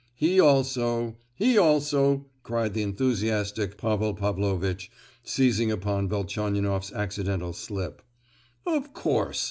He also, he also!" cried the enthusiastic Pavel Pavlovitch, seizing upon Velchaninoff's accidental slip. "Of course!